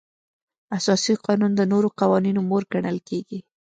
اساسي قانون د نورو قوانینو مور ګڼل کیږي.